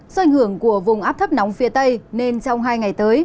do ảnh hưởng của vùng áp thấp nóng phía tây nên trong hai ngày tới